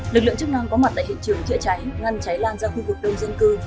lực lượng chức năng có mặt tại hiện trường chữa cháy ngăn cháy lan ra khu vực đông dân cư